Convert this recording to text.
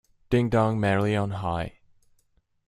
Ding dong merrily on high.